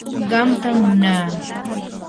qamtam munaa.